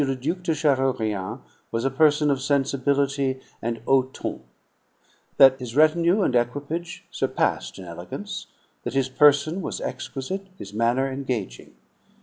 le Duc de Chateaurien was a person of sensibility and haut ton; that his retinue and equipage surpassed in elegance; that his person was exquisite, his manner engaging.